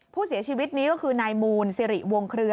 ผู้เสียชีวิตนี้ก็คือนายมูลสิริวงเครือ